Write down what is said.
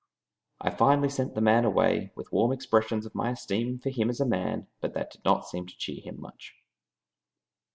I finally sent the man away with warm expressions of my esteem for him as a man, but that did not seem to cheer him much.